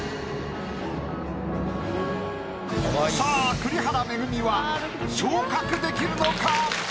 さあ栗原恵は昇格できるのか？